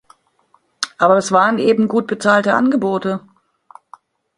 Aber es waren eben gut bezahlte Angebote.